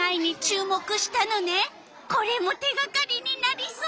これも手がかりになりそう。